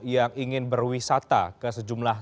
yang ingin berwisata ke sejumlah